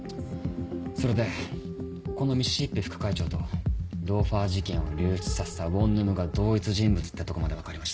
それでこのミシシッピ副会長とローファー事件を流出させた「をんぬむ」が同一人物ってとこまで分かりました。